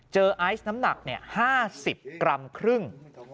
ไอซ์น้ำหนัก๕๐กรัมครึ่ง